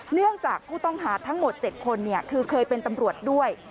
เนื่องจากผู้ต้องหาทั้งหมด๗คนคือเคยเป็นตำรวจด้วย